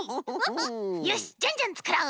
よしじゃんじゃんつくろう。